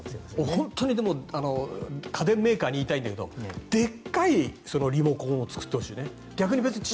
本当に家電メーカーに言いたいけどでっかいリモコンを作ってほしい。